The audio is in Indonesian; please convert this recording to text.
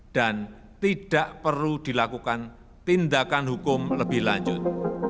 dan tidak perlu dilakukan tindakan hukum lebih lanjut